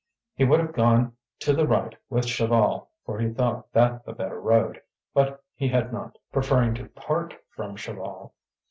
He would have gone to the right with Chaval, for he thought that the better road; but he had not, preferring to part from Chaval.